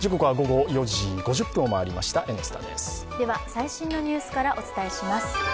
最新のニュースからお伝えします。